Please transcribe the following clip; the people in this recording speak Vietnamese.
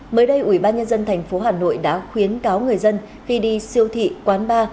mới đây ubnd tp hà nội đã khuyến cáo người dân khi đi siêu thị quán bar